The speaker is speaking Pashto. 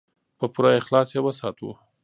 په پوره اخلاص یې وساتو.